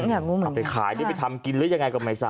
เอาไปขายเอาไปทำกินหรือยังไงกับไหมส่า